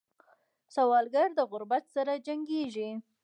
سوالګر د غربت سره جنګېږي